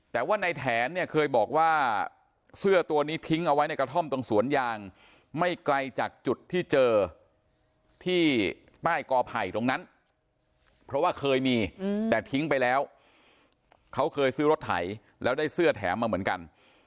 แต่ว่าในแถนเนี่ยเคยบอกว่าเสื้อตัวนี้ทิ้งเอาไว้ในกระท่อมตรงสวนยางไม่ไกลจากจุดที่เจอที่ใต้กอไผ่ตรงนั้นเพราะว่าเคยมีแต่ทิ้งไปแล้วเขาเคยซื้อรถไถแล้วได้เสื้อแถมมาเหมือนกัน